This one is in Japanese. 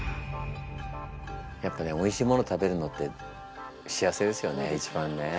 やっぱねおいしいもの食べるのって幸せですよね一番ね。